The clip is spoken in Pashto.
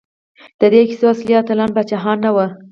د دې کیسو اصلي اتلان پاچاهان نه وو.